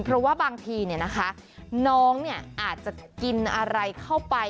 เพราะว่าบางทีน้องอาจจะกินอะไรเข้าไป